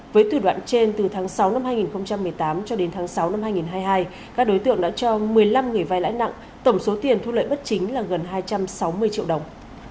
với tùy đoạn trên từ tháng sáu năm hai nghìn một mươi tám cho đến tháng sáu năm hai nghìn hai mươi hai các đối tượng đã cho một mươi năm người vai lãi nặng tổng số tiền thu lợi bất chính là gần hai trăm sáu mươi triệu đồng